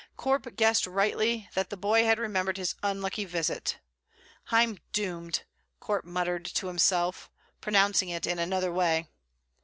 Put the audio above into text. Corp guessed rightly that the boy had remembered his unlucky visit. "I'm doomed!" Corp muttered to himself pronouncing it in another way.